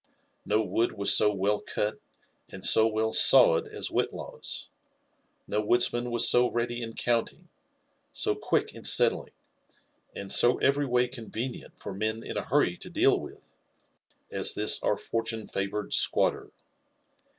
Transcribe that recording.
No Wood was so well etit and do welf '^ fewed^' as Whitlaw'9; no wooddmab was so ready fnr counting, so quick ffl settling, and so every way convenfenl fot men in a hurry to deal with, bA this our fortune favoured squatter.